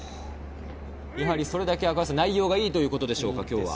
やはりそれだけ内容がいいということでしょうか、今日は。